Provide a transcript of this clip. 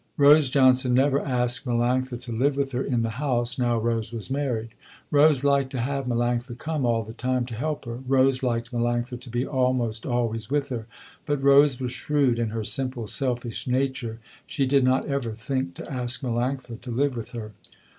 Rose Johnson never asked Melanctha to live with her in the house, now Rose was married. Rose liked to have Melanctha come all the time to help her, Rose liked Melanctha to be almost always with her, but Rose was shrewd in her simple selfish nature, she did not ever think to ask Melanctha to live with her.